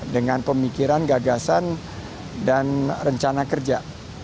dengan pemikiran gagasan dan rencana kerja